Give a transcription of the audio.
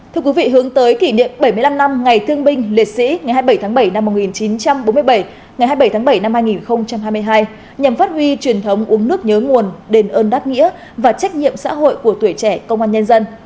thưa quý vị hướng tới kỷ niệm bảy mươi năm năm ngày thương binh liệt sĩ ngày hai mươi bảy tháng bảy năm một nghìn chín trăm bốn mươi bảy ngày hai mươi bảy tháng bảy năm hai nghìn hai mươi hai nhằm phát huy truyền thống uống nước nhớ nguồn đền ơn đáp nghĩa và trách nhiệm xã hội của tuổi trẻ công an nhân dân